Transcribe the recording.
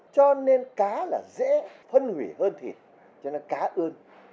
cho nên cá là dễ phân hủy hơn thịt cho nó cá ươn